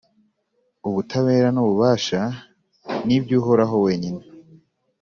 «ubutabera n’ububasha ni iby’uhoraho wenyine.»